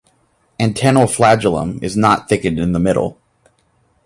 Antennal flagellum is not thickened in the middle.